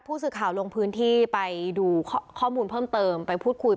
ผู้สื่อข่าวลงพื้นที่ไปดูข้อมูลเพิ่มเติมไปพูดคุย